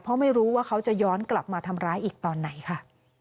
เพราะไม่รู้ว่าเขาจะย้อนกลับมาทำร้ายอีกตอนไหนค่ะ